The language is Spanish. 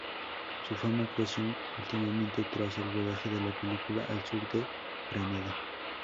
Su fama creció últimamente tras el rodaje de la película "Al sur de Granada".